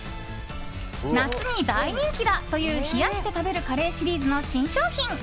夏に大人気だという冷やして食べるカレーシリーズの新商品。